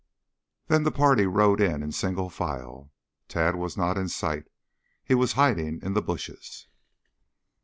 Then the party rode in in single file. Tad was not in sight. He was hiding in the bushes.